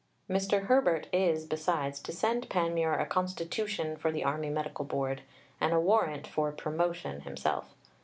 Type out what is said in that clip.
Mr. Herbert is, besides, to send Panmure a "Constitution" for the Army Medical Board, and a Warrant for "Promotion" himself.